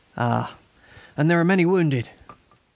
"Ah!" "And there are many wounded."